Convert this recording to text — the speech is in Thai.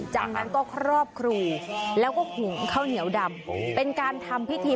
จากนั้นก็ครอบครูแล้วก็หุงข้าวเหนียวดำเป็นการทำพิธี